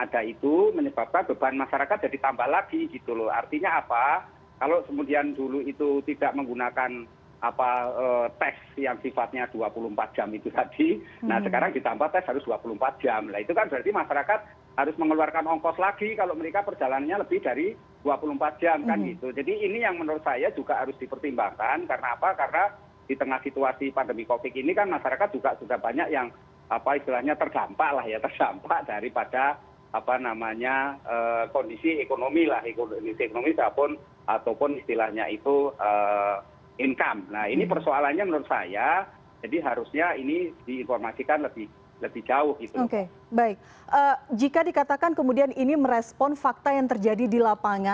jadi di dua liburan terakhir imlek dan ismail